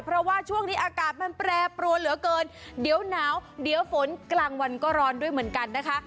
เพราะว่าช่วงนี้อากาศมันแปรปรวนเหลือเกินเดี๋ยวหนาวเดี๋ยวฝนกลางวันก็ร้อนด้วยเหมือนกันนะคะ